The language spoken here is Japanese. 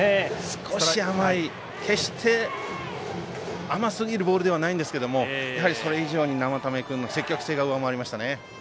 少し甘い、決して甘すぎるボールではないんですけれどもやはりそれ以上に生田目君の積極性が上回りましたね。